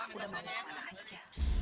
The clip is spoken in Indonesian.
aku udah mau kemana aja